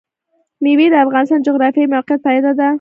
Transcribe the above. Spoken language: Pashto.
مېوې د افغانستان د جغرافیایي موقیعت پایله ده.